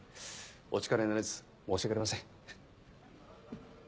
お力になれず申し訳ありません。